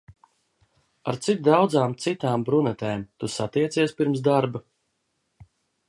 Ar cik daudzām citām brunetēm tu satiecies pirms darba?